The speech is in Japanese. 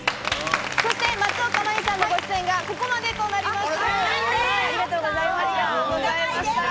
そして松岡茉優さんのご出演が、ここまでとなります。